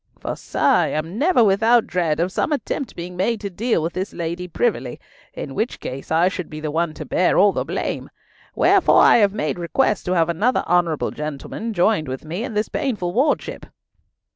For, sir, I am never without dread of some attempt being made to deal with this lady privily, in which case I should be the one to bear all the blame. Wherefore I have made request to have another honourable gentleman joined with me in this painful wardship."